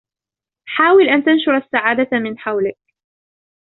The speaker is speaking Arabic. حاول ان تنشر السعادة من حولك.